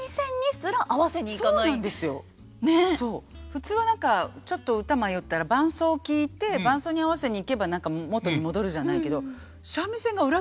普通は何かちょっと歌迷ったら伴奏を聴いて伴奏に合わせにいけば何か元に戻るじゃないけど。